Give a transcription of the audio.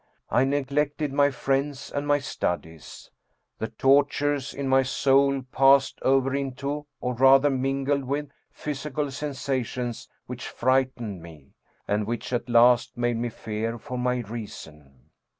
I neglected my friends and my studies. The tortures in my soul passed over into, or rather mingled with, physical sensations which frightened me, and which at last made me fear for my reason.